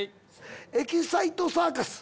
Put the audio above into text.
『エキサイトサーカス』。